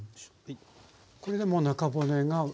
これでもう中骨がね。